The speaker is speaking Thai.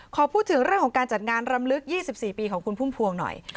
ขอพูดถึงเรื่องของการจัดงานรำลึก๒๔ปีของคุณพุ่มพวงหน่อย